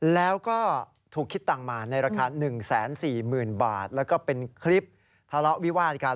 แล้วก็ถูกคิดตังค์มาในราคา๑๔๐๐๐บาทแล้วก็เป็นคลิปทะเลาะวิวาดกัน